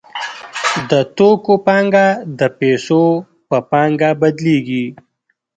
د توکو پانګه د پیسو په پانګه بدلېږي